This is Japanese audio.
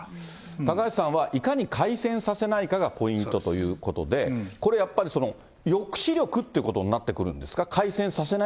高橋さんは、いかに開戦させないかがポイントということで、これ、やっぱり抑止力ってことになってくるんですか？